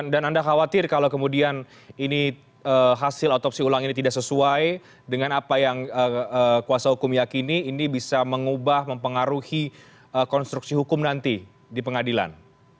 dan anda khawatir kalau kemudian ini hasil otopsi ulang ini tidak sesuai dengan apa yang kuasa hukum yakini ini bisa mengubah mempengaruhi konstruksi hukum nanti di pengadilan